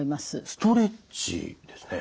ストレッチですね。